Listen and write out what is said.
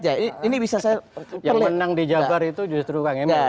yang menang di jabar itu justru bang emel